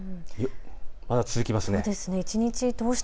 まだ続きます。